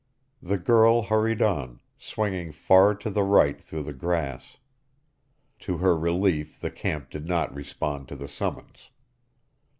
The girl hurried on, swinging far to the right through the grass. To her relief the camp did not respond to the summons.